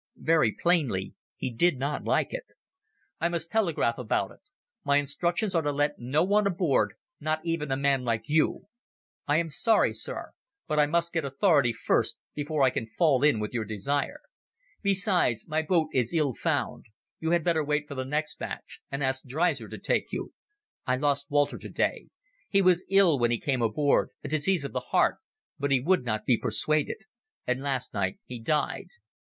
Very plainly he did not like it. "I must telegraph about it. My instructions are to let no one aboard, not even a man like you. I am sorry, Sir, but I must get authority first before I can fall in with your desire. Besides, my boat is ill found. You had better wait for the next batch and ask Dreyser to take you. I lost Walter today. He was ill when he came aboard—a disease of the heart—but he would not be persuaded. And last night he died."